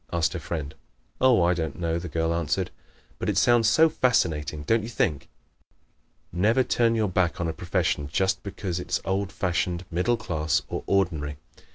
asked her friend. "Oh, I don't know," the girl answered, "but it sounds so fascinating, don't you think?" Never turn your back on a profession just because it is old fashioned, middle class or ordinary.